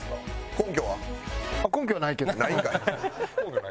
根拠はないけどな。